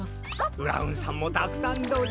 ブラウンさんもたくさんどうぞ。